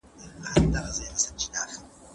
الماني پوهانو ټولنپوهنه غني کړه.